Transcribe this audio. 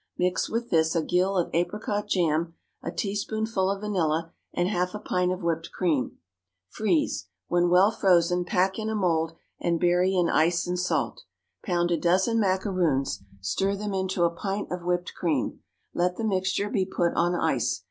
Mix with this a gill of apricot jam, a teaspoonful of vanilla, and half a pint of whipped cream; freeze; when well frozen, pack in a mould and bury in ice and salt. Pound a dozen macaroons; stir them into a pint of whipped cream; let the mixture be put on ice.